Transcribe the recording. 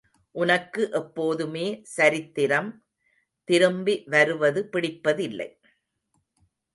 உனக்கு எப்போதுமே சரித்திரம் திரும்பி வருவது பிடிப்பதில்லை.